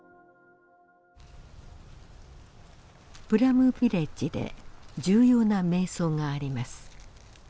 プラムヴィレッジで重要な瞑想があります。